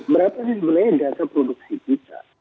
berapa sih sebenarnya data produksi kita